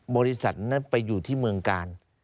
บริษัทนั้นไปอยู่ที่เมืองกาล